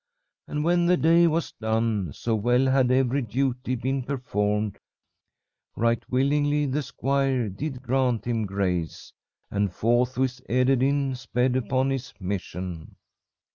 And when the day was done, so well had every duty been performed, right willingly the squire did grant him grace, and forthwith Ederyn sped upon his mission.